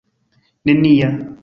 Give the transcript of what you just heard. nenia